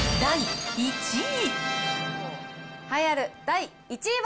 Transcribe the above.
第１位。